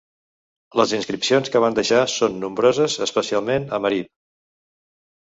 Les inscripcions que van deixar són nombroses especialment a Marib.